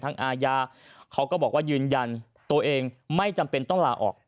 อาญาเขาก็บอกว่ายืนยันตัวเองไม่จำเป็นต้องลาออก